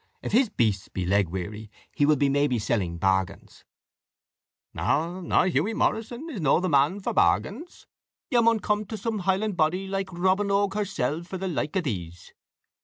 If his beasts be leg weary, he will be maybe selling bargains." "Na na, Hughie Morrison is no the man for pargains; ye maun come to some Highland body like Robin Oig hersell for the like of these.